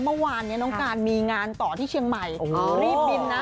เมื่อวานนี้น้องการมีงานต่อที่เชียงใหม่รีบบินนะ